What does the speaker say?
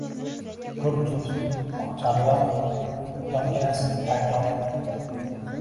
Bir juft oqcharloq yonginasida paydo bo‘ldi